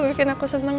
bikin aku seneng